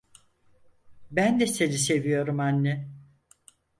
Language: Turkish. Ben de seni seviyorum anne.